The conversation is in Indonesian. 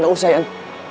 gak usah yan